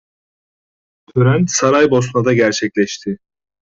Tören Saraybosna'da gerçekleşti.